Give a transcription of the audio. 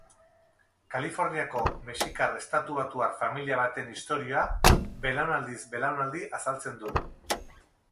Kaliforniako mexikar estatubatuar familia baten istorioa belaunaldiz-belaunaldi azaltzen du.